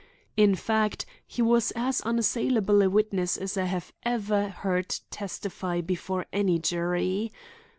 In fact, he was as unassailable a witness as I have ever heard testify before any jury.